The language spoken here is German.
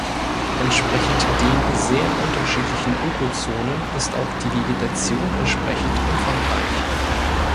Entsprechend den sehr unterschiedlichen Ökozonen ist auch die Vegetation entsprechend umfangreich.